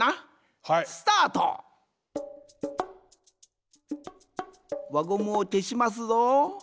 スタート！わゴムをけしますぞ。